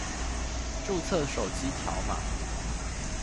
註冊手機條碼